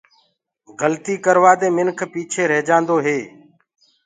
گلتيٚ ڪروآ دي منک پيٚچي رهيجآندو هي۔